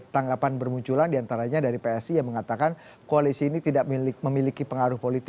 tanggapan bermunculan diantaranya dari psi yang mengatakan koalisi ini tidak memiliki pengaruh politik